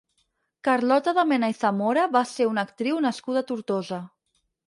Carlota de Mena i Zamora va ser una actriu nascuda a Tortosa.